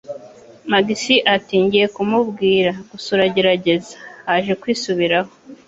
Max ati: "Ngiye kumubwira" "Gusa uragerageza!" haje kwisubiraho